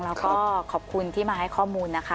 แล้วก็ขอบคุณที่มาให้ข้อมูลนะคะ